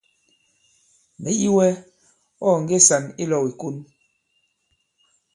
Mɛ̀ yi wɛ ɔ̂ ɔ̀ nge sàn i lɔ̄w ìkon.